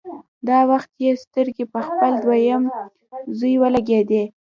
دا وخت يې سترګې په خپل دويم زوی ولګېدې.